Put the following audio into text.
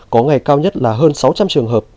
có ngày cao nhất là hơn sáu trăm linh trường hợp